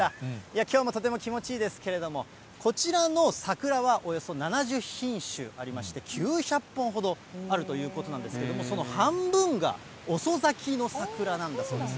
きょうもとても気持ちいいですけれども、こちらの桜はおよそ７０品種ありまして、９００本ほどあるということなんですけれども、その半分が遅咲きの桜なんだそうです。